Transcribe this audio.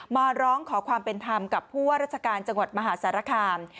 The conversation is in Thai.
มาร้องขอความเป็นธรรมกับผู้ว่าราชการจังหวัดมหาสารคาม